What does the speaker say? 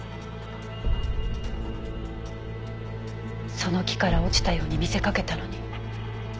その木から落ちたように見せかけたのに。